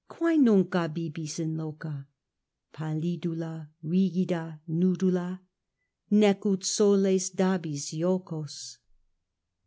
Quae nunc abibis in loca, Pallidula, rigida, nudula, Nec ut soles dabis jocos.